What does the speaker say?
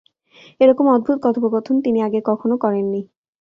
এ-রকম অদ্ভুত কথোপকথন তিনি আগে কখনো করেন নি।